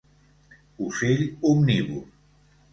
Ocell omnívor.